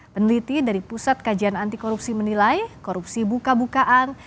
peneliti dari pusat kajian anti korupsi menilai korupsi buka bukaan